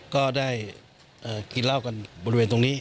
ก็ได้กินเหล้ากันบริเวณตรงนี้